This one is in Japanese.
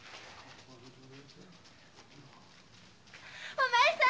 お前さん！